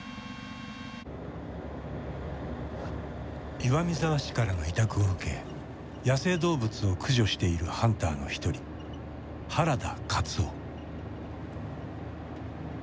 岩見沢市からの委託を受け野生動物を駆除しているハンターの１人原田勝男。